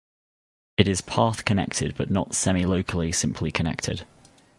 It is path connected but not semilocally simply connected.